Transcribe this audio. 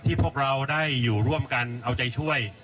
พวกเราได้อยู่ร่วมกันเอาใจช่วย